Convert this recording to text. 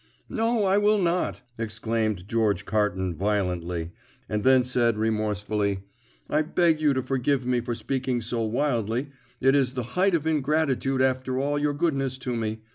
"No, I will not!" exclaimed George Carton violently; and then said remorsefully, "I beg you to forgive me for speaking so wildly; it is the height of ingratitude after all your goodness to me.